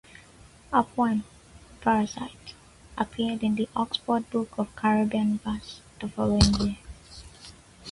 Her poem "Parasite" appeared in the "Oxford Book of Caribbean Verse" the following year.